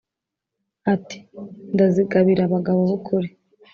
ati: ndazigabira abagabo b'ukuri